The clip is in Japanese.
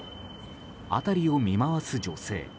辺りを見回す女性。